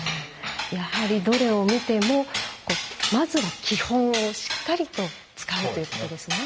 やはり、どれを見てもまずは基本をしっかりと使うということですね。